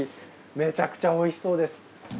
めちゃくちゃおいしそうです。